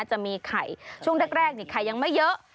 จะมีไข่ช่วงแรกไข่ยังไม่เยอะ